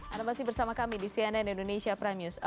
anda masih bersama kami di cnn indonesia prime news